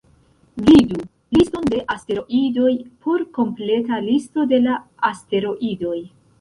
Vidu "Liston de asteroidoj" por kompleta listo de la asteroidoj.